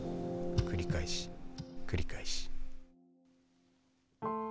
繰り返し繰り返し。